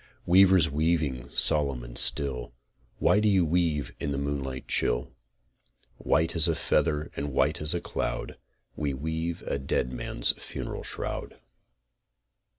Weavers, weaving solemn and still, What do you weave in the moonlight chill? ... White as a feather and white as a cloud, We weave a dead man's funeral shroud.